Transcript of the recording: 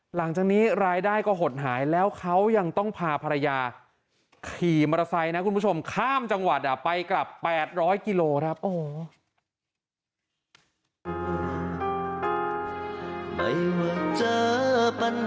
หลังจากนี้รายได้ก็หดหายแล้วเขายังต้องพาภรรยาขี่มอเตอร์ไซค์นะคุณผู้ชมข้ามจังหวัดไปกลับ๘๐๐กิโลครับ